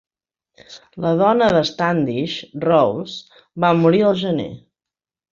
La dona de Standish, Rose, va morir al gener.